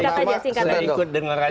saya ikut denger aja